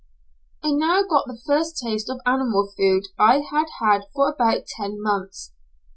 I now got the first taste of animal food I had had for about ten months.